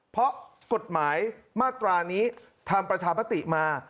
เพราะกฎหมายมาตรานี้ทำประชาปติมา